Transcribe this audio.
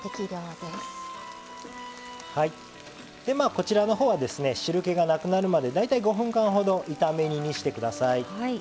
こちらのほうは汁けがなくなるまで大体５分間ほど炒め煮にして下さい。